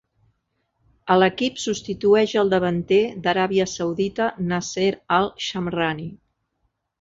A l'equip substitueix el davanter d'Aràbia Saudita Nasser Al-Shamrani.